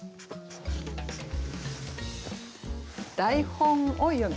「台本を読み」。